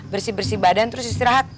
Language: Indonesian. bersih bersih badan terus istirahat